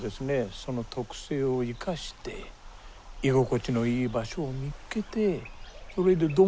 その特性を生かして居心地のいい場所を見っけてそれでどんどん増えていく。